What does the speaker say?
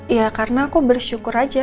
ya karena aku bersyukur aja